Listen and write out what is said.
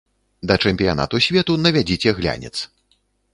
Да чэмпіянату свету навядзіце глянец.